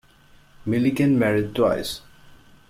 Milliken married twice.